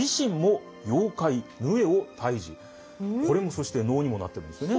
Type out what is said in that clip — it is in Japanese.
これもそして能にもなってるんですよね。